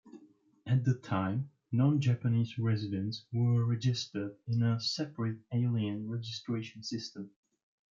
At the time, non-Japanese residents were registered in a separate alien registration system.